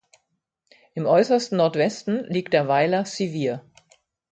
Im äußersten Nordwesten liegt der Weiler Sivir.